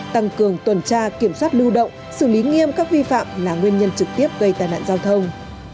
tăng cường tuần tra kiểm soát lưu động xử lý nghiêm các vi phạm là nguyên nhân trực tiếp gây tai nạn giao thông